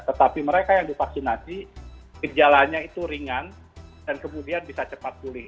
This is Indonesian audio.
tetapi mereka yang divaksinasi gejalanya itu ringan dan kemudian bisa cepat pulih